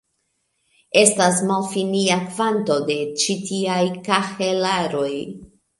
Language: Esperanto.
Estas malfinia kvanto de ĉi tiaj kahelaroj.